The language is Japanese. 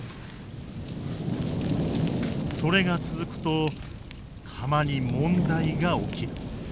それが続くと釜に問題が起きる。